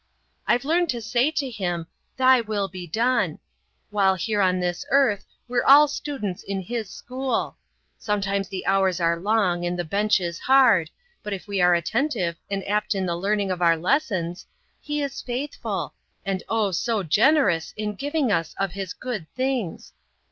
I've learned to say to Him, 'Thy will be done!' While here on this earth we're all students in His school. Sometimes the hours are long and the bench is hard, but if we are attentive and apt in the learning of our lessons, He is faithful, and oh, so generous in giving us of His good things!